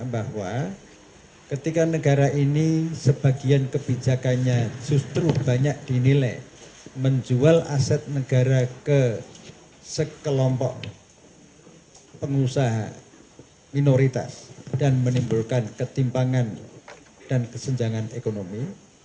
bahwa ketika negara ini sebagian kebijakannya justru banyak dinilai menjual aset negara ke sekelompok pengusaha minoritas dan menimbulkan ketimpangan dan kesenjangan ekonomi